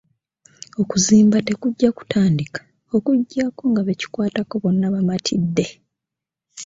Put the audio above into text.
Okuzimba tekujja kutandika okuggyako nga be kikwatako bonna bamatidde.